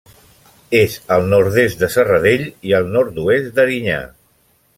És al nord-est de Serradell i al nord-oest d'Erinyà.